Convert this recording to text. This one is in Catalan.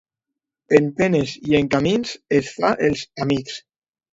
En penes i en camins es fan els amics.